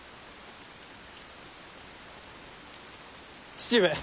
父上。